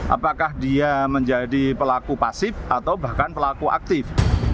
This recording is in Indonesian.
apakah dia menjadi pelaku pasif atau bahkan pelaku aktif